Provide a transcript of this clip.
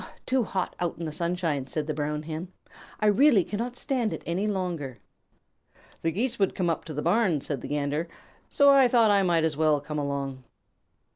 "Too hot out in the sunshine," said the Brown Hen. "I really cannot stand it any longer." "The Geese would come up to the barn," said the Gander, "so I thought I might as well come along."